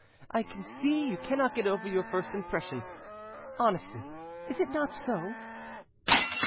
"Ah! I see you cannot get over your first impression—honestly, is it not so?"